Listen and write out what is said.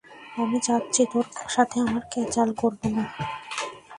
আমি যাচ্ছি, তোর সাথে আর ক্যাচাল করবো না।